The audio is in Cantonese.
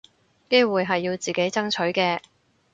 機會係要自己爭取嘅